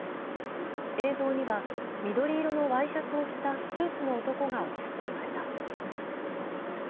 映像には、緑色のワイシャツを着たスーツの男が映っていました。